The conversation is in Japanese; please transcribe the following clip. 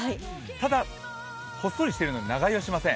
ただ、こっそりしているのに長居はしません。